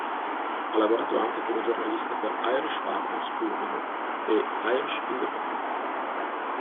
Ha lavorato anche come giornalista per "Irish Farmers Journal" e "Irish Independent".